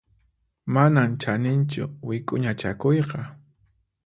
Manan chaninchu wik'uña chakuyqa.